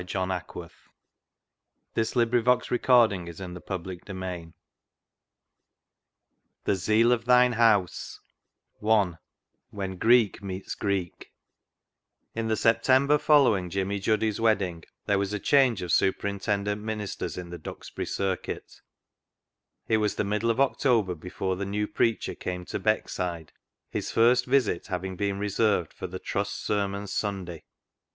The Zeal of Thine House " I " When Greek Meets Greek " i8 " The Zeal of Thine House "" When Greek Meets Greek " In the September following Jimmy Juddy's wedding there was a change of superintendent ministers in the Duxbury Circuit. It was the middle of October before the new preacher came to Beckside, his first visit having been reserved for the " Trust Sermons " Sunday.